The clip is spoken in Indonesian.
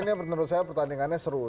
ini menurut saya pertandingannya seru